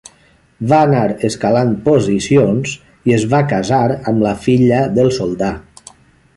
Va anar escalant posicions i es va casar amb la filla del soldà.